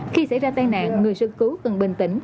khi xảy ra tai nạn người sơ cứu cần bình tĩnh